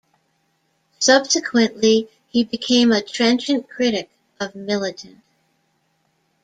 Subsequently, he became a trenchant critic of Militant.